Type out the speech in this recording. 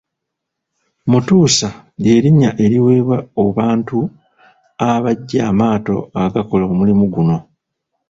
Mutuusa ly’erinnya eriweebwa obantu abajja amaato agakola omulimu guno.